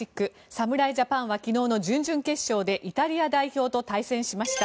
侍ジャパンは昨日の準々決勝でイタリア代表と対戦しました。